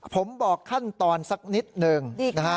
ผมบอกขั้นตอนสักนิดหนึ่งนะฮะ